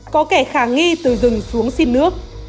có kẻ khả nghi từ rừng xuống sinh nước